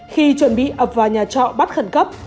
khi chuẩn bị ập vào nhà trọ bắt khẩn cấp